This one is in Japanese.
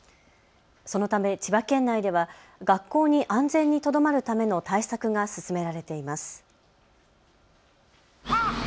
そのため千葉県内では学校に安全にとどまるための対策が進められています。